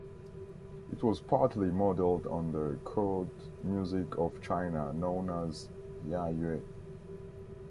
It was partly modeled on the court music of China, known as "yayue".